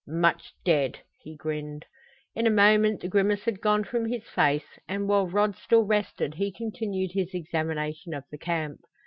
"Much dead!" he grinned. In a moment the grimace had gone from his face, and while Rod still rested he continued his examination of the camp.